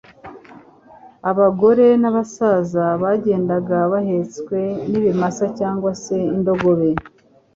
Abagore n'abasaza bagendaga bahetswe n'ibimasa cyangwa se indogobe,